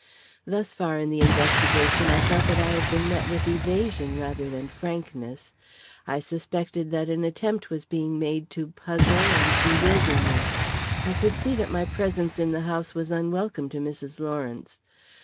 Thus far in the investigation, I felt that I had been met with evasion rather than with frankness; I suspected that an attempt was being made to puzzle and bewilder me; I could see that my presence in the house was unwelcome to Mrs. Lawrence.